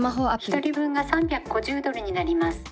「１人分が３５０ドルになります」。